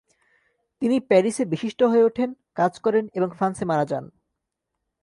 তিনি প্যারিসে বিশিষ্ট হয়ে ওঠেন, কাজ করেন এবং ফ্রান্সে মারা যান।